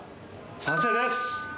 賛成です！